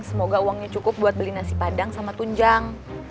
semoga uangnya cukup buat beli nasi padang sama tunjang